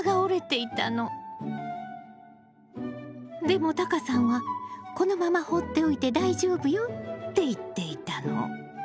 でもタカさんは「このまま放っておいて大丈夫よ」って言っていたの。